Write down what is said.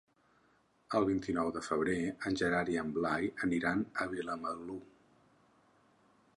El vint-i-nou de febrer en Gerard i en Blai aniran a Vilamalur.